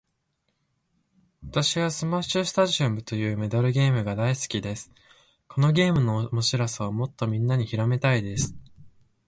私はスマッシュスタジアムというメダルゲームが大好きです。このゲームの面白さをもっとみんなに広めたいです。